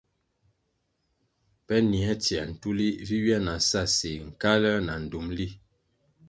Pe nier na tsier tulih vi ywia na sa séh, nkaluer na ndtumli.